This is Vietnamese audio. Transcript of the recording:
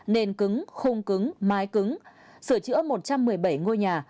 nền cứng khung cứng mái cứng sửa chữa một trăm một mươi bảy ngôi nhà